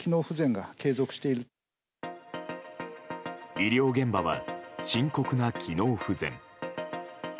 医療現場は深刻な機能不全。